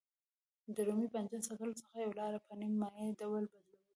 د رومي بانجانو ساتلو څخه یوه لاره په نیم مایع ډول بدلول دي.